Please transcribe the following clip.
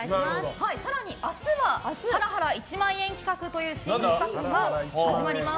更に、明日はハラハラ１万円企画という新企画が始まります。